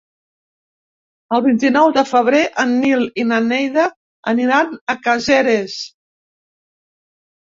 El vint-i-nou de febrer en Nil i na Neida aniran a Caseres.